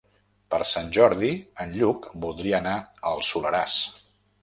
Per Sant Jordi en Lluc voldria anar al Soleràs.